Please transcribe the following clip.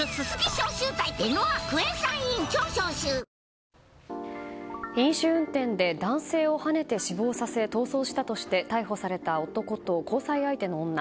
明治おいしい牛乳飲酒運転で男性をはねて死亡させ逃走したとして逮捕された男と交際相手の女。